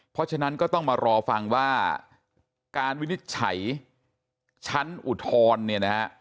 เพราะฉะนั้นก็ต้องมารอฟังว่าการวินิจฉัยชั้นอุทธรณ์เนี่ยนะฮะ